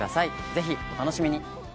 是非お楽しみに。